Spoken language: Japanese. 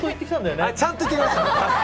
ちゃんと行ってきました。